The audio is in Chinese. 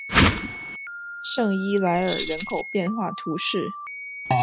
圣伊莱尔人口变化图示